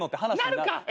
なるか。